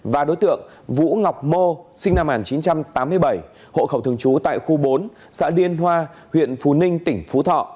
và đối tượng vũ ngọc mô sinh năm một nghìn chín trăm tám mươi bảy hộ khẩu thường trú tại khu bốn xã điên hoa huyện phú ninh tỉnh phú thọ